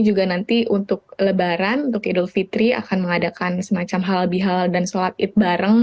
juga nanti untuk lebaran untuk idul fitri akan mengadakan semacam halal bihalal dan sholat id bareng